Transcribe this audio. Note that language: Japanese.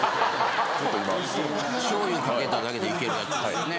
しょうゆ掛けただけでいけるやつですよね